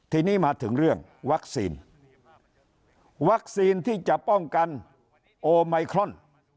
ทีนี้มาถึงเรื่องวัคซีนวัคซีนที่จะป้องกันโอไมครอน